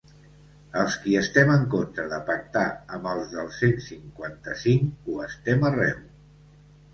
Els qui estem en contra de pactar amb els del cent cinquanta-cinc ho estem arreu.